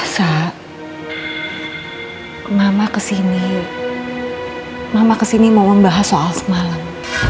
sak mama kesini mama kesini mau membahas soal semalam